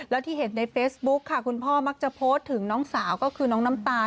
แล้วที่เห็นในเฟซบุ๊คค่ะคุณพ่อมักจะโพสต์ถึงน้องสาวก็คือน้องน้ำตาล